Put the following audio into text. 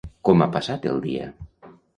Com ha passat el dia?